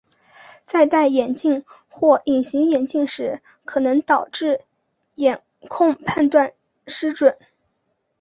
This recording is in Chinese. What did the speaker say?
在戴眼镜或隐形眼镜时可能导致眼控判断失准。